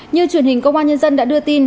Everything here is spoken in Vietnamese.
như truyền hình công an nhân dân đã đưa tin